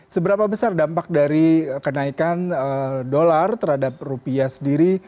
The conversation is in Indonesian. seberapa besar dampak dari kenaikan dollar terhadap rupiah sendiri